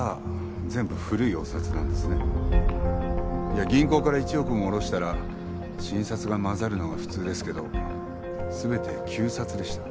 いや銀行から１億も下ろしたら新札が混ざるのが普通ですけど全て旧札でした。